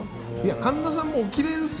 神田さんもおきれいですよ。